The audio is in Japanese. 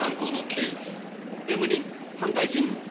弁護人反対尋問を。